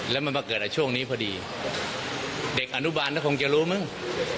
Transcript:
แล้วมันมาเกิดในช่วงนี้พอดีเด็กอนุบาลก็คงจะรู้มั้ง